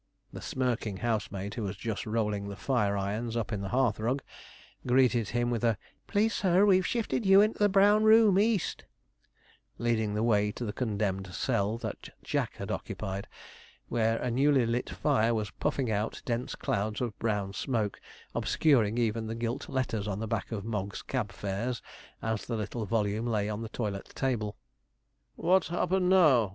The smirking housemaid, who was just rolling the fire irons up in the hearth rug, greeted him with a 'Please, sir, we've shifted you into the brown room, east,' leading the way to the condemned cell that 'Jack' had occupied, where a newly lit fire was puffing out dense clouds of brown smoke, obscuring even the gilt letters on the back of Mogg's Cab Fares, as the little volume lay on the toilet table. 'What's happened now?'